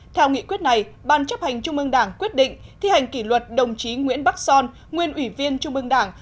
theo nghị quyết này ban chấp hành trung ương đảng quyết định thi hành kỷ luật đồng chí nguyễn bắc son nguyên ủy viên trung ương đảng